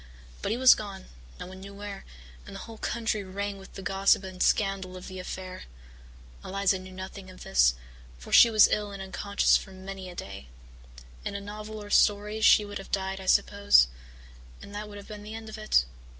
But he was gone, no one knew where, and the whole country rang with the gossip and scandal of the affair. Eliza knew nothing of this, for she was ill and unconscious for many a day. In a novel or story she would have died, I suppose, and that would have been the end of it.